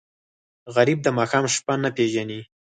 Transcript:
غریب د ماښام شپه نه پېژني